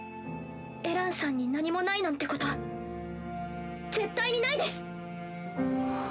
エランさんに何もないなんてこと絶対にないです！